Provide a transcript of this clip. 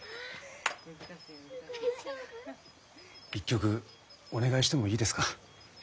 １曲お願いしてもいいですか？